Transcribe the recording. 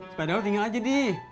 sepeda lu tinggal aja di